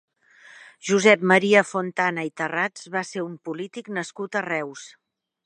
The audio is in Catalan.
Josep Maria Fontana i Tarrats va ser un polític nascut a Reus.